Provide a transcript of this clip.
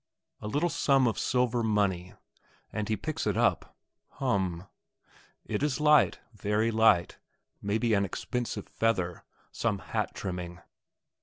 A little sum of silver money?... and he picks it up. Hum ... it is light very light; maybe an expensive feather; some hat trimming....